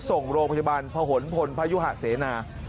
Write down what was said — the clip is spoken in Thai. ส่งโรงพยาบาลพหนพลพยุหะเสนา